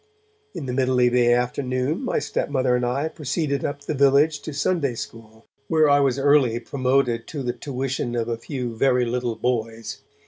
In the middle of the afternoon, my stepmother and I proceeded up the village to Sunday School, where I was early promoted to the tuition of a few very little boys.